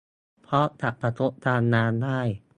เพราะจะกระทบการงานได้